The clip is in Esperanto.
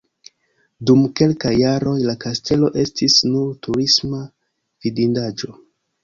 Dum kelkaj jaroj la kastelo estis nur turisma vidindaĵo.